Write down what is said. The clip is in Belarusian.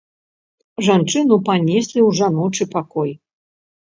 Жанчыну панеслі ў жаночы пакой.